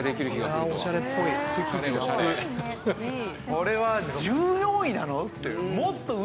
これは１４位なの？っていう。